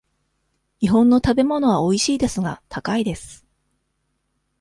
日本の食べ物はおいしいですが、高いです。